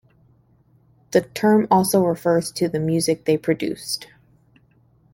The term also refers to the music they produced.